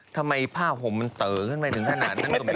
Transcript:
ทำไมผ้าผมมันเต๋อขึ้นไปถึงขนาดนั้นก็ไม่รู้ใจ